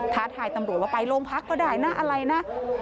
ท้าทายตำรวจว่าไปโรงพักก็ได้นะอะไรนะ